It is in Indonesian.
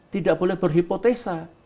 tidak boleh berhipotesa